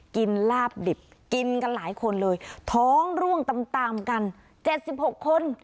กินลาบดิบกินกันหลายคนเลยท้องร่วงตามตามกันเจ็ดสิบหกคน